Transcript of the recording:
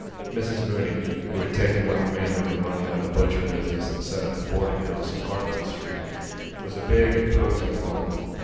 Mrs Mooney, who had taken what remained of her money out of the butcher business and set up a boarding house in Hardwicke Street, was a big imposing woman.